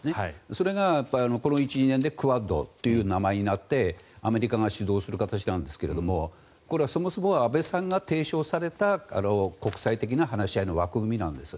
それが、この１２年でクアッドという名前になってアメリカが主導する形なんですがこれはそもそもは安倍さんが提唱された国際的な話し合いの枠組みなんです。